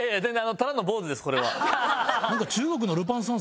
ただの坊主ですこれは。